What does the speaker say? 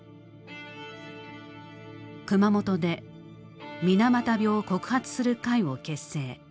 熊本で水俣病を告発する会を結成。